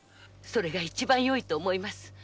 それがよいと思います。